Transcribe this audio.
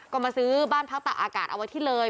ก็มาซื้อบ้านพักตากอากาศเอาไว้ที่เลย